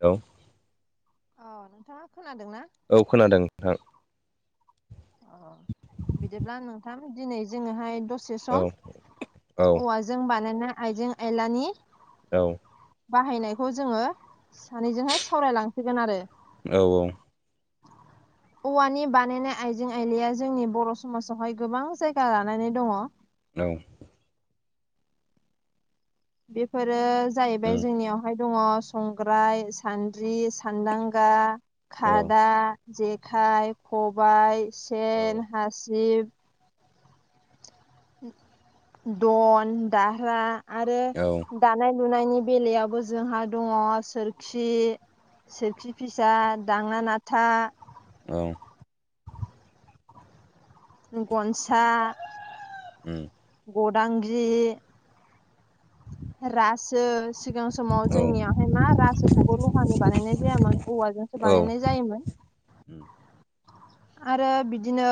औ अ नोंथाङा खोनादों ना औ खोनादों नोंथां अ बिदिब्ला नोंथां दिनै जोङोहाय दसे औ सम औ औव जों बानायना आइजें आयलानि औ बाहायनायखौ जोङो सानैजोंहाय सावरायलांसिगोन आरो औ औ [inaudible] औवानि बानायनाय आइजें आइलया जोंनि बर' समाजावहाय गोबां जायगा लानानै दङ औ बेफोरो जाहैबाय उम जोंनियाव आमहाय दङ संग्राय सान्द्रि सान्दांगा औ खादा जेखाइ खबाय औ सेन हासिब दन दारा आरो औ दानाय लुनायनि बेलायावबो जोंहा दङ सोरखि सोरखि फिसा दांना नाथा औ गनसा ओम गदांगि रासो सिगां समाव औ जोंनियावहाय मा रासोखौबो ल'हानि बानायनाय जायामोन औवाजोंसो बानायनाय जायोमोन उम आरो बिदिनो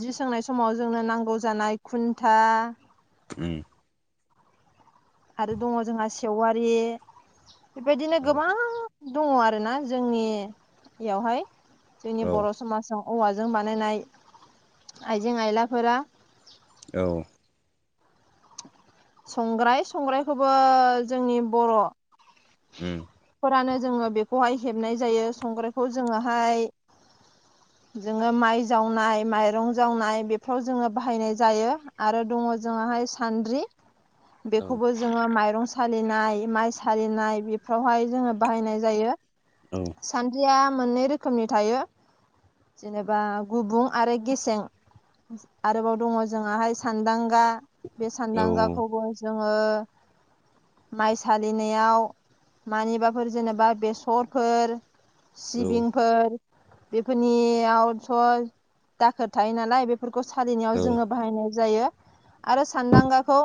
जि सोंनाय समाव जोंनो नांगौ जानाय खुन्था उम आरो दङ जोंहा सेवारि बेबायदिनो औ गोबां, दङ आरोना जोंनियावहाय जोंनि औ बर', समाजाव औवाजों बानायनाय आइजें-आइलाफोरा औ संग्राय संग्रायखौबो जोंनि बर' ओम फोरानो जोङो बेखौहाय हेबनाय जायो संग्रायखौ जोङोहाय जोङो माइ जावनाय माइरं जावनाय बेफ्राव जोङो बाहायनाय जायो आरो दङ जोंङाहाय सान्द्रि औ बेखौबो जोङो माइरं सालिनाय, माइ सालिनाय बेफ्रावहाय जोङो बाहायनाय जायो। औ सान्द्रिया मोननै रोखोमनि थायो जेनेबा गुबुं आरो गेसें आरोबाव दङ जोंङाहाय सानदांगा बे औ सानदांगाखौबो जोङो माइ सालिनायाव मानिबाफोर जेनेबा बेसर फोर सिबिंफोर बेफोरनियावथ' दाखोर थायो नालाय बेफोरखौ सालिनायाव जोङो, बाहायनाय जायो आरो सानदांगाखौ,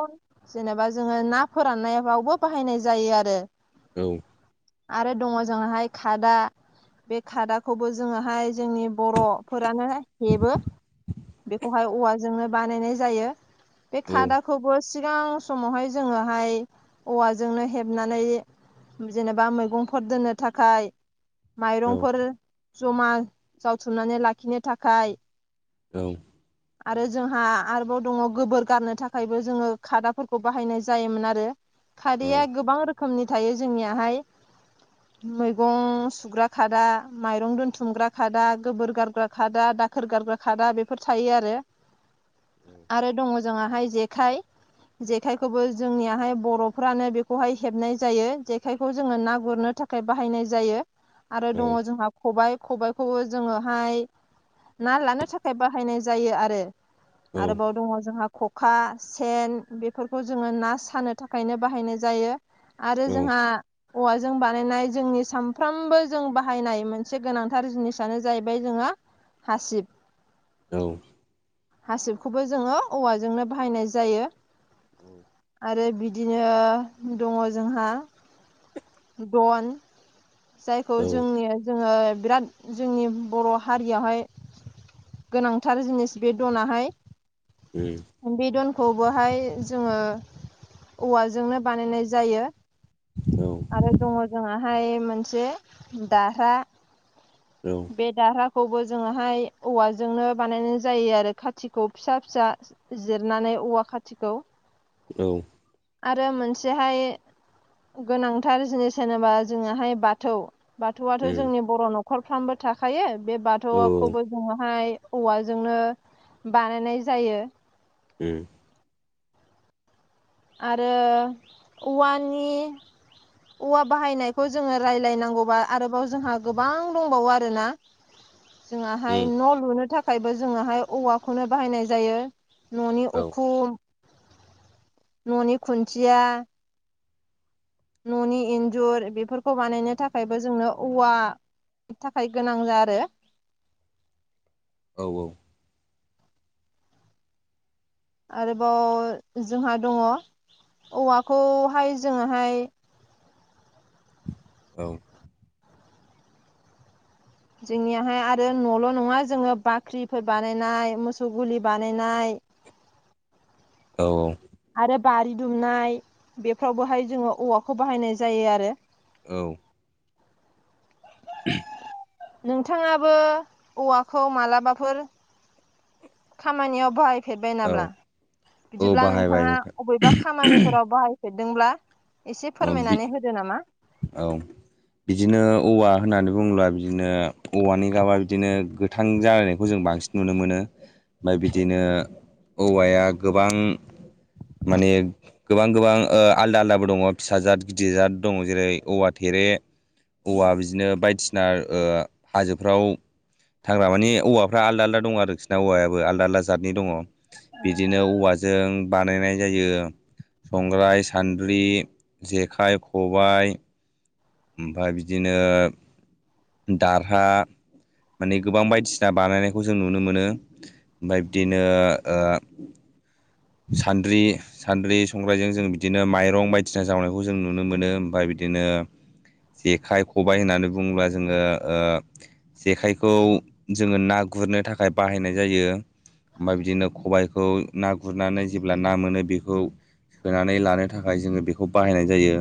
जेनेबा जोङो ना फोराननायावबो बाहायनाय जायो। आरो औ आरो दङ जोंहाय खादा बे खादाखौबो जोङाहाय जोंनि बर' फोरानो हेबो बेखौहाय औवाजोंनो बानायनाय जायो बे खादा खौबो सिगां समावहाय जोङोहाय औवाजोंनो हेबनानै, जेनेबा मैगंफोर दोननो थाखाय माइरंफोर औ ज'मा जावथुमनानै लाखिनो थाखाय, औ [unintelligible] आरो जोंहा आरोबाव दङ गोबोर गारनो थाखायबो जोङो खादाफोरखौ बाहायनाय जायोमोन आरो खारैया गोबां रोखोमनि थायो जोंनियाहाय, मैगं सुग्रा खादा माइरं दोनथुमग्रा खादा गोबोर गारग्रा खादा दा दाखोर गारग्रा खादा बेफोर थायो आरो आरो दङ जोङाहाय जेखाइ जेखाइखौबो जोंनियाहाय बर'फ्रानो बेखौहाय हेबनाय जायो जेखाइखौ जोङो ना गुरनो था थाखाय बाहायनाय जायो आरो दङ जोंहा खबाय खबायखौबो जोङोहाय ना लानो थाखाय बाहायनाय जायो आरो आरोबाव दङ जोंहा ख'खा सेन बेफोरखौ जोङो ना सानो थाखायनो बाहायनाय जायो। आरो जोंहा औवाजों बा बानायनाय जोंनि सानफ्रामबो जों बाहायनाय मोनसे गोनांथार जिनिसनो जाहैबाय जोंहा हासिब औ हासिबखौबो जोङो औवाजोंनो बाहायनाय जायो। आरो बिदिनो दङ जोंहा, दन जायखौ जोंनि जोङो बिराद जोंनि बर' हारियावहाय, गोनांथार जिनिस बे दनाहाय, उम बे दनखौबोहाय जोङो औवाजोंनो बानायनाय जायो। आरो दङ जोंहाहाय मोनसे दारहा औ बे दारहाखौबो जोङोहाय औवाजोंनो बानायनाय जायो आरो खाथिखौ फिसा फिसा जिरनानै औवा खाथिखौ औ आरो मोनसेहाय गोनांथार जिनिस होनोबा जोंहोहाय बाथौ, बाथौ आथ' जोंनि बर' न'खरफ्रामबो थाखायो बे बाथौखौबो, जोङोहाय औवाजोंनो बानायनाय जायो। उम आरो औवानि, औवा बाहायनायखौ जोङो रायज्लायनांगौबा आरोबाव जोंहा गोबां दंबावो आरोना जोङाहाय न' लुनो थाखायबो जोंङाहाय औवाखौनो बाहायनाय जायो। न'नि उखुम न'नि खुन्थिया न'नि इन्जुर बेफोरखौ बानायनो थाखायबो जोंनो औवा थाखाय गोनां जा आरो औ औ। आरोबाव जोंहा दङ औवाखौहाय जोङोहाय औ जोंनियाहाय आरो न'ल' नङा जोङो बाख्रिफोर बानायनाय मोसौ गलि बानायनाय औ औ आरो बारि दुमनाय बेफ्रावबोहाय जोङो औवाखौ बाहायनाय जायो आरो। औ [inaudible] नोंथाङाबो औवाखौ मालाबाफोर खामानियाव बाहाय फेरबाय औ औ नाब्ला औ बिदिब्ला बाहायबाय नोंथाङा नोंथां अबेबा खामानिफोराव बाहायफेरदोंब्ला एसे औ बि फोरमायनानै होदो नामा। औ बिदिनो औवा होननानै बुङोब्ला बिदिनो औवानि गाबा बिदिनो गोथां जालायनायखौ जों बांसिन नुनो मोनो बाय बिदिनो औवाया गोबां माने गोबां गोबां ओ आलदा आलदाबो दङ फिसा जाद गिदिर जाद दङ जेरै औवा थेरे औवा बिदिनो बायदिसिना ओ हाजोफ्राव हाग्रामाने औवाफोरा आलदा आलदा दं आरोखि ना औवायाबो आलदा आलदा जादनि दङ। बिदिनो औवाजों बानायनाय जायो संग्राय सान्द्रि जेखाइ खबाय ओमफाय बिदिनो दारहा माने गोबां बायदिसिना बानायनायखौ जों नुनो मोनो ओमफाय बिदिनो ओ सान्द्रि सान्द्रि संग्राइजों जों बिदिनो माइरं बायदिसिना जावनायखौ जों नुनो मोनो ओमफाय बिदिनो जेखाइ खबाय होननानै बुङोब्ला जोङो ओ जेखाइखौ जोङो ना गुरनो थाखाय बाहायनाय जायो। ओमफाय बिदिनो खबाइखौ ना गुरनानै जेब्ला ना मोनो बिखौ सोनानै लानो थाखाय जोङो बिखौ बाहायनाय जायो।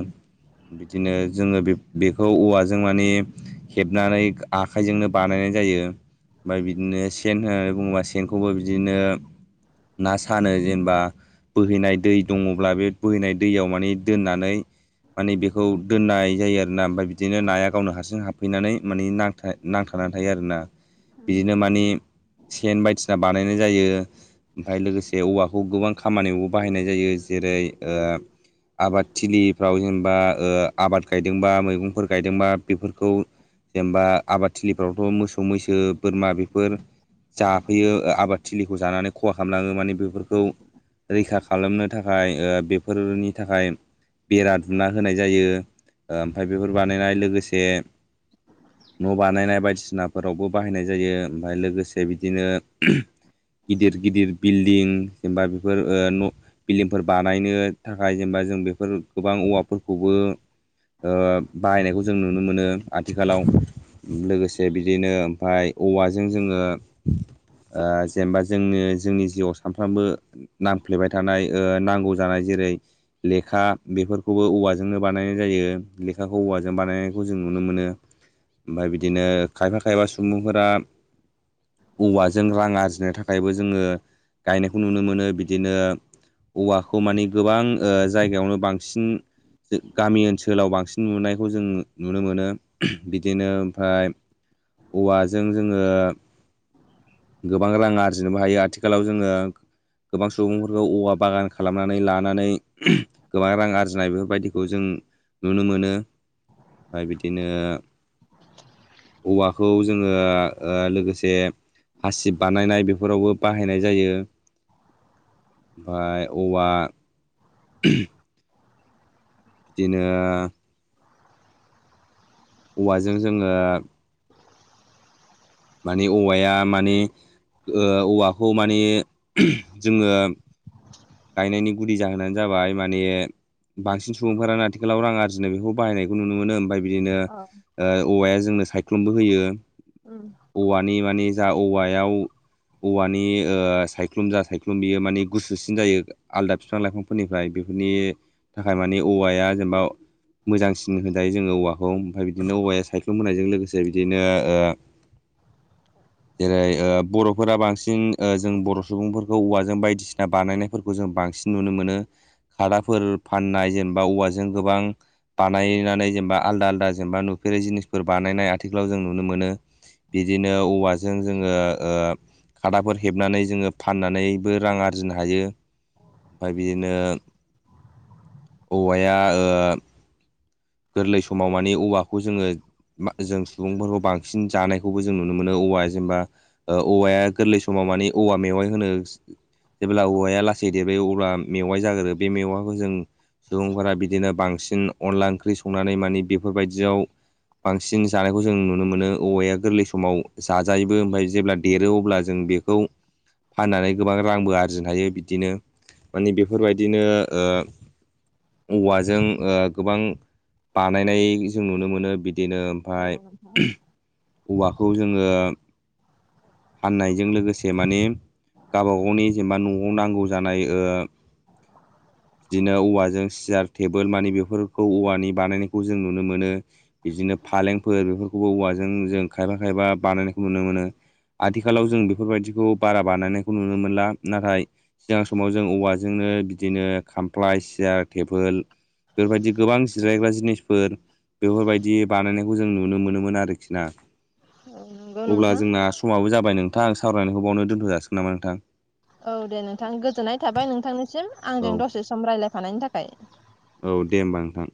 इदिनो जोङो बेख बेखौ औवाजों माने हेबनानै आखाइजोंनो बानायनाय जायो। ओमफाय बिदिनो सेन होननानै बुङोबा सेनखौबो बिदिनो ना सानो जेनेबा बोहैनाय दै दङब्ला बे बोहैनाय दैयाव माने दोननानै माने बेखौ दोननाय जायो आरोना ओमफाय बिदिनो नाया गावनो हारसिं हाबफैनानै माने ना नांथानानै थायो आरोना बिदिनो मानि सेन बायदिसिना बानायनाय जायो ओमफ्राय लोगोसे बे औवाखौ गोबां खामानियावबो बाहायनाय जायो जेरै आबादथिलिफ्राव जेनेबा आबाद गायदोंबा मैगंफोर गायदोंबा बेफोरखौ जेनेबा आबादथिलिफ्रावथ' मोसौ मैसो बोरमा बेफोर जाफैयो आबादथिलिखौ जानानै ख'हा खालामलाङो माने बेफोरखौ रैखा खालामनो थाखाय ओ बेफोरनि थाखाय बेरा दुमना होनाय जायो ओ ओमफाय बेफोर बानायनाय लोगोसे न' बानायनाय बायदिसिना फोरावबो बाहायनाय जायो ओमफ्राय लोगोसे बिदिनो गिदिर गिदिर बिल दिं जेनबा बेफोर न' बिल्डिंफोर बानायनो थाखाय जेनेबा जों बेफोर गोबां औवाफोरखौबो बाहायनायखौ जों नुनो मोनो आथिखालाव लोगोसे बिदिनो ओमफफ्राय औवाजों जोङो जेनेबा जोङो जोंनि जिउआव सानफ्रामबो नांफ्लेबाय थानाय नांगौ जानाय जेरै लेखा बेफोरखौबो औवाजोंनो बानायनाय जायो लेखाखौ औवाजों बानायनायखौ जों नुनो मोनो। ओमफ्राय बिदिनो खायफा खायबा सुबुंफोरा औवाजों रां आरजिनो थाखायबो जोङो गायनायखौ नुनो मोनो बि दिनो औवाखौ मानिे गोबां जायगायावनो बांसिन गामि ओनसोलाव बांसिन नुनायखौ जों नुनो मोनो बिदिनो ओमफ्राय औवाजों जोङो गोबां रां आरजिनोबो हायो आथिखालाव जोङो गोबां सुबुंफोरखौ औवा बागान खालामनानै लानानै गोबां रां आरजिनाय बेफोरबायदिखौ जों नुनो मोनो ओमफ्राय बिदिनो औवाखौ जोङो लोगोसे हासिब बानायनाय बेफोरावबो बाहायनाय जायो ओमफ्राय औवा बिदिनो औवाजों जोङो माने औवाया माने औवाखौ माने जोङो गायनायनि गुदि जाहोनानो जाबाय माने बांसिन सुबुंफोरानो आथिखालाव रां आरजिनाय बेखौ बायनायखौ नुनो मोनो ओमफ्राय बिदिनो औ औवाया जोंनो सायख्लुमबो होयो उम औवानि माने जा औवायाव औवानि सायख्लुम जा सायख्लुम बियो माने गुसु सिन जायो आलदा बिफां लाइफांफोरनिफ्राय बेफोरनि थाखाय मानि औवाया जेनेबा मोजांसिन होनजायो जोङो औवाखौ ओमफ्राय बिदिनो औवाया सायख्लुम होनायजों लोगोसे बिदिनो [inaudible] जेरै बर'फोरा बांसिन जों बर' सुबुंफोरखौ औवाजों बायदिसिना बानायनायफोरखौ जों बांसिन नुनो मोनो खादाफोर फाननाय जेनेबा औवाजों गोबां बानायनानै जेनेबा आलदा आलदा जेनेबा नुफेरै जिनिसफोर बानायनाय आथिखालाव जों नुनो मोनो बिदिनो औवाजों जोङो खादाफोर हेबनानै जोङो फाननानैबो रां आरजिनो हायो ओमफ्राय बिदिनो औवाया गोरलै समाव माने औवाखौ जोङो जों सुबुंफोरखौ बांसिन जानायखौबो जों नुनो मोनो औवाया जेनेबा ओ औवाया गोरलै समाव मानि औवा मेवाइ होनो जेब्ला औवाया लासै देरबो अब्ला मेवाइ जाग्रो बे मेवाखौ जों सुबुंफोरा बिदिनो बांसिन अनला ओंख्रि संनानै माने बेफोरबायदियाव बांसिन जानायखौ जों नुनो मोनो औवाया गोरलै समाव जाजायोबो ओमफ्राय जेब्ला देरो अब्ला जों बे औ फाननानै गोबां रांबो आरजिनो हायो बिदिनो मानि बेफोरबायदिनो औवाजों गोबां बानायनाय जों नुनो मोनो बिदिनो औ ओमफ्राय औवाखौ जोङो फाननायजों लोगोसे माने गावबा गावनि जेनेबा न'आव नांगौ जानाय बिदिनो औवाजों सियार टेबोल मानि बेफोरखौ औवानि बानायनायखौ जों नुनो मोनो। बिदिनो फालेंफोर बेफोरखौबो औवाजों जों खायफा खायफा बानायनायखौ नुनो मोनो। आथिखालाव जों बेफोरबायदिखौ बारा बानायनायखौ नुनो मोनला। नाथाय सिगां समाव जों औवाजोंनो बिदिनो खामफ्लाय सियार टेबोल बेफोरबायदि गोबां जिरायग्रा जिनिसफोर बेफोरबायदि बानायनायखौ जों नुनो मोनोमोन आरोखि ना। नंगौ अब्ला नोंथां जोंना समाबो जाबाय नोंथां आं सावरायनायखौ बावनो दोन्थ' जासिगोन नामा नोंथां। औ दे नोंथां गोजोननाय थाबाय नोंथांनिसिम औ आंजों दसे सम रायज्लायफानायनि थाखाय। औ दे होमबा नोंथां।